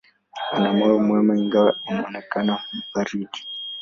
Ana moyo mwema, ingawa unaonekana baridi.